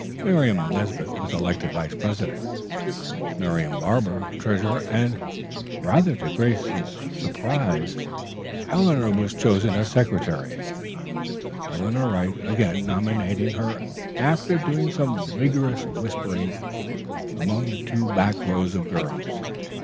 Miriam Nesbit was elected vice president, Marian Barber treasurer, and, rather to Grace's surprise, Eleanor was chosen as secretary, Edna Wright again nominating her after doing some vigorous whispering among the two back rows of girls.